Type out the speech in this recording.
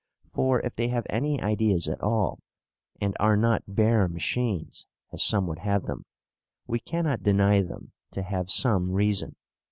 For, if they have any ideas at all, and are not bare machines (as some would have them), we cannot deny them to have some reason.